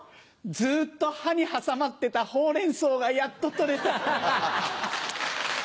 ずっと歯に挟まってたホウレンソウがやっと取れた。